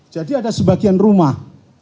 jadi ada sebagian rumah